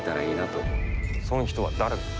そん人は誰だ？